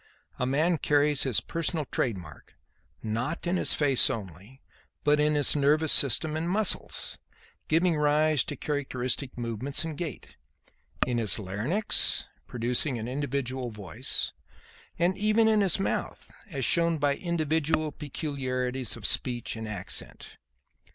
A man carries his personal trademark, not in his face only, but in his nervous system and muscles giving rise to characteristic movements and gait; in his larynx producing an individual voice; and even in his mouth, as shown by individual peculiarities of speech and accent.